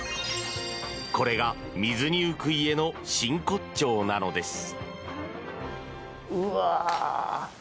これが水に浮く家の真骨頂なのです。